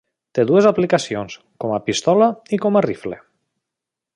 Té dues aplicacions: com a pistola i com a rifle.